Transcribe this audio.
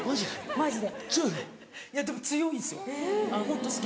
マジで？